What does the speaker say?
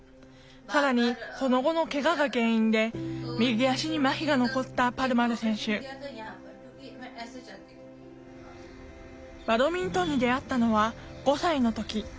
更にその後のけがが原因で右足にまひが残ったパルマル選手バドミントンに出会ったのは５歳の時。